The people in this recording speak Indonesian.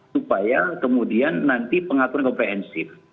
supaya kemudian nanti pengaturan komprehensif